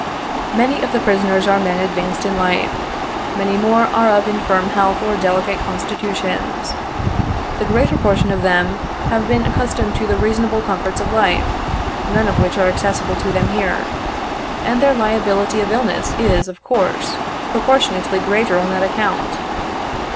Many of the prisoners are men advanced in life ; many more are of infirm health or delicate constitutions. The greater portion of them have been accustomed to the reasonable comforts of life, none of which are accessible to them here, and their liability to illness, is, of course, proportionately greater on that account.